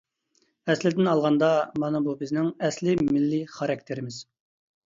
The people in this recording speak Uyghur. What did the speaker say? ئەسلىدىن ئالغاندا مانا بۇ بىزنىڭ ئەسلى مىللىي خاراكتېرىمىز.